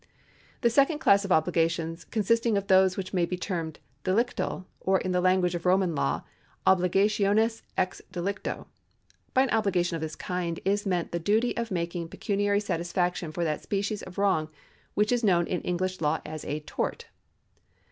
The second class of obligations consists of those which may be termed delictal, or in the language of Roman law obliga tiones ex delicto. By an obligation of this kind is meant the duty of making pecuniary satisfaction for that species of wrong which is known in English law as a tort.